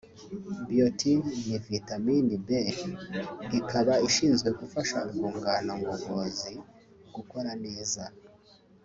Biotin ni vitamine B ikaba ishinzwe gufasha urwungano ngogozi gukora neza